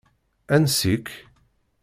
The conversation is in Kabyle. Ansi-k.